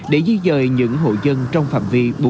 để di dời những hộ dân trong phạm vi